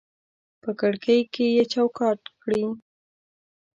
په کړکۍ کې یې چوکاټ کړي